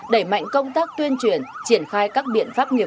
đẩy mạnh công tác tuyên truyền triển khai các biện pháp nghiệp